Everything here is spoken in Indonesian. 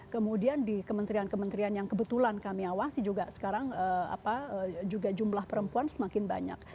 kemudian di kementerian kementerian yang kebetulan kami awasi juga sekarang juga jumlah perempuan semakin banyak